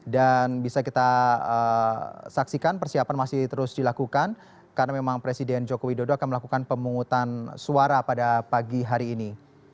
dan bisa kita saksikan persiapan masih terus dilakukan karena memang presiden joko widodo akan melakukan pemungutan suara pada pagi hari ini